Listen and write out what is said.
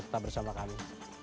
tetap bersama kami